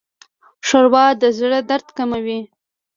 ښوروا د زړه درد کموي.